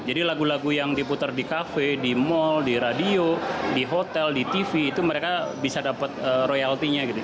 jadi lagu lagu yang diputar di cafe di mall di radio di hotel di tv itu mereka bisa dapat royaltinya gitu